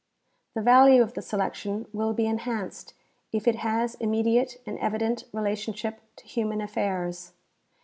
The value of the selection will be enhanced if it has immediate and evident relationship to human affairs.